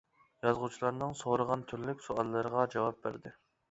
يازغۇچىلارنىڭ سورىغان تۈرلۈك سوئاللىرىغا جاۋاب بەردى.